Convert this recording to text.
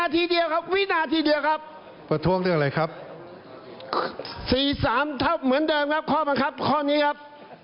เปลี่ยนงี้มีครับ